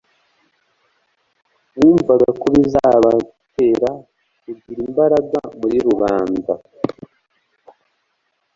bumvaga ko bizabatera kugira imbaraga muri rubanda.